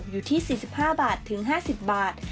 อยู่ที่๔๕บาทถึง๕๐บาท